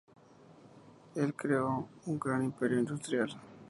Él creó un gran imperio industrial.